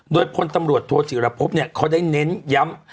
โดยพลตำรวจโทจิรพบเนี่ยเขาได้เน้นย้ำ